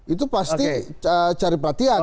itu pasti cari perhatian